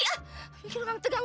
ya lu kan tegang